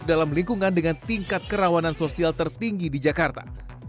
dan juga dalam lingkungan dengan tingkat kerawanan sosial tertinggi di jakarta